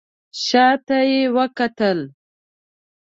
شا ته یې وکتل.